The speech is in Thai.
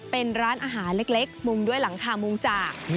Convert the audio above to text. เป็นร้านอาหารเล็กมุงด้วยหลังคามุงจาก